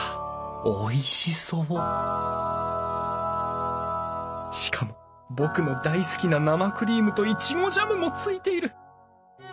おいしそうしかも僕の大好きな生クリームといちごジャムもついている。